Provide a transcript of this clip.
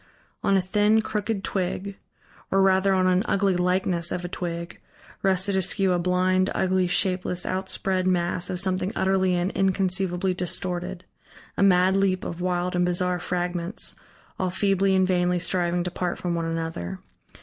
On a thin, crooked twig, or rather on an ugly likeness of a twig rested askew a blind, ugly, shapeless, outspread mass of something utterly and inconceivably distorted, a mad leap of wild and bizarre fragments, all feebly and vainly striving to part from one another.